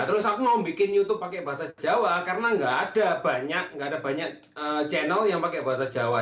terus aku mau bikin youtube pakai bahasa jawa karena nggak ada banyak nggak ada banyak channel yang pakai bahasa jawa